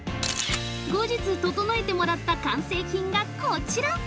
後日、整えてもらった完成品がこちら！